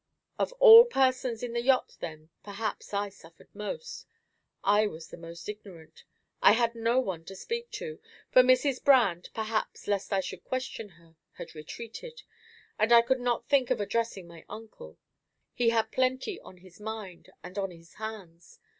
Of all persons in the yacht then, perhaps I suffered most. I was the most ignorant; I had no one to speak to; for Mrs. Brand, perhaps lest I should question her, had retreated, and I could not think of addressing my uncle; he had plenty on his mind and on his hands.